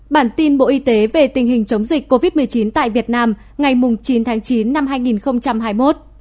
bản tin bộ y tế về tình hình chống dịch covid một mươi chín tại việt nam ngày chín tháng chín năm hai nghìn hai mươi một